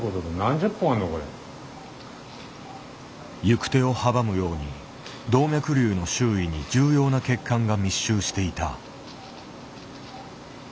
行く手を阻むように動脈瘤の周囲に重要な血管が密集していた。